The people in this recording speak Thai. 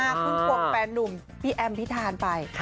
คุณพวกแฟนหนุ่มพี่แอมพี่ทานไป